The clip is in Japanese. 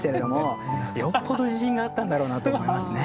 よっぽど自信があったんだろうなと思いますね。